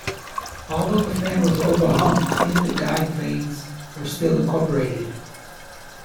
Although the fan was overhung, inlet guide vanes were still incorporated.